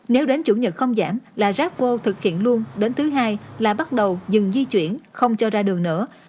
nếu đến chủ nhật không giảm là rác vô thực hiện luôn đến thứ hai là bắt đầu dừng di chuyển không cho ra đường nữa